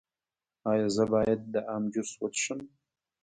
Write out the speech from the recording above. ایا زه باید د ام جوس وڅښم؟